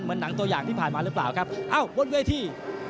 หนังตัวอย่างที่ผ่านมาหรือเปล่าครับเอ้าบนเวที